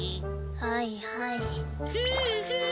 はいはい。